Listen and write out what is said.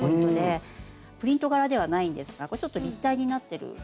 プリント柄ではないんですがちょっと立体になってる。